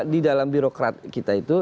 di dalam birokrat kita itu